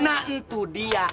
nah itu dia